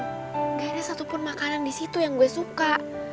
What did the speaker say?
gak ada satupun makanan disitu yang gue suka